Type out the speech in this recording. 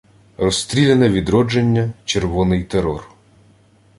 Розстріляне відродження, червоний терор